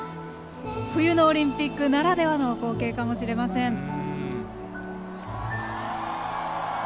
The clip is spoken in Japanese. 冬のオリンピックならではの光景かもしれません。